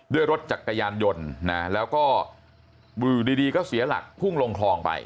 ด้วยรถจักรยานยนต์นะแล้วก็อยู่ดีก็เสียหลักพุ่งลงคลองไป